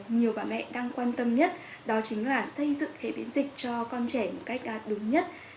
nhiều bà mẹ đang quan tâm nhất đó chính là xây dựng hệ miễn dịch cho con trẻ một cách đúng nhất